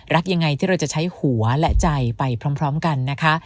รักยังไงที่เราจะใช้หัวและใจไปพร้อมกันนะคะ